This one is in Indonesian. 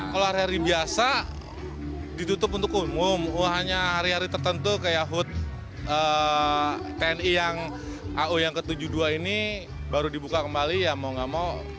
kalau hari hari biasa ditutup untuk umum hanya hari hari tertentu kayak hood tni yang ao yang ke tujuh puluh dua ini baru dibuka kembali ya mau gak mau